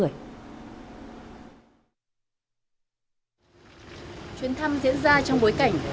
chuyến thăm diễn ra trong bối cảnh